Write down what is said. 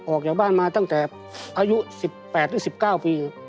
ออกจากบ้านมาตั้งแต่อายุสิบแปดและสิบเก้าปี